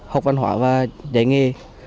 học văn hóa và giải nghề